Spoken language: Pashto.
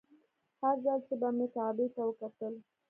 هر ځل چې به مې کعبې ته وکتل.